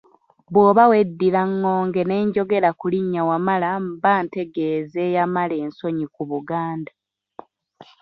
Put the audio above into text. Bw’oba weddira ŋŋonge ne njogera ku linnya Wamala mbantegeeza eyamala ensonyi ku Buganda.